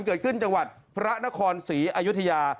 เกิดขึ้นจังหวัดพระนครศรีอายุทยา